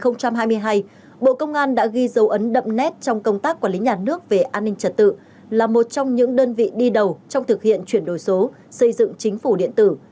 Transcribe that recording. năm hai nghìn hai mươi hai bộ công an đã ghi dấu ấn đậm nét trong công tác quản lý nhà nước về an ninh trật tự là một trong những đơn vị đi đầu trong thực hiện chuyển đổi số xây dựng chính phủ điện tử